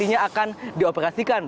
sehingga akan dioperasikan